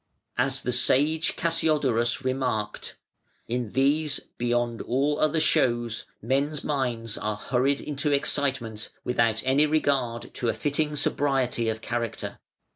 As the sage Cassiodorus remarked: "In these beyond all other shows, men's minds are hurried into excitement, without any regard to a fitting sobriety of character.